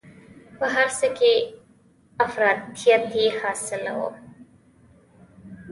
په هر څه کې افراطیت یې خاصه وه.